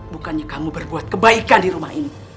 bukannya kamu berbuat kebaikan di rumah ini